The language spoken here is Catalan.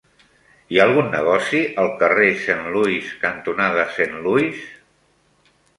Hi ha algun negoci al carrer Saint Louis cantonada Saint Louis?